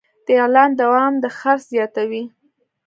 د اعلان دوام د خرڅ زیاتوي.